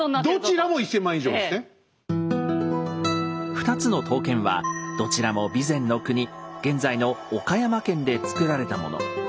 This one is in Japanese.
２つの刀剣はどちらも備前国現在の岡山県で作られたもの。